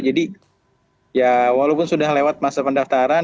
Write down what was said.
jadi ya walaupun sudah lewat masa pendaftaran